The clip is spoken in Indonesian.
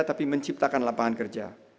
tapi menciptakan lapangan kerja